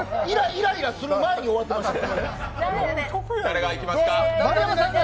イライラする前に終わってましたやん。